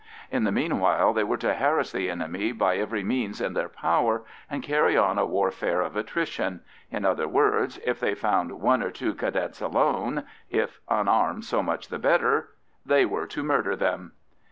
In the meanwhile they were to harass the enemy by every means in their power and carry on a warfare of attrition—in other words, if they found one or two Cadets alone—if unarmed so much the better—they were to murder them.